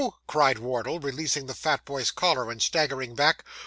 cried Wardle, releasing the fat boy's collar, and staggering back.